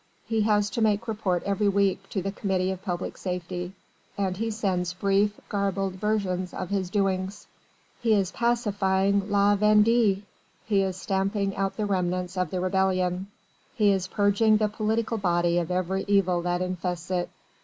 He has to make report every week to the Committee of Public Safety, and he sends brief, garbled versions of his doings. "He is pacifying La Vendée! he is stamping out the remnants of the rebellion! he is purging the political body of every evil that infests it."